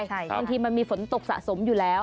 บางทีมันมีฝนตกสะสมอยู่แล้ว